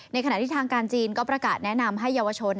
ขณะที่ทางการจีนก็ประกาศแนะนำให้เยาวชน